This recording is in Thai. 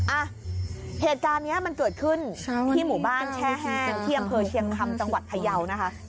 อ่ะเหตุการณ์นี้มันเกิดขึ้นที่หมู่บ้านแช่แห้งที่อำเภอเชียงคำจังหวัดพยาวนะคะ